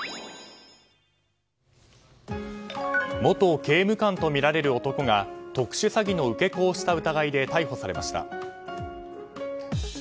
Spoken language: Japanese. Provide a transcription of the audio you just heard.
元刑務官とみられる男が特殊詐欺の受け子をした疑いで逮捕されました。